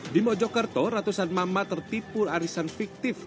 di mojokerto ratusan mama tertipu arisan fiktif